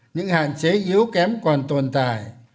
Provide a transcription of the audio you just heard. những hạn chế yếu kém còn tồn tại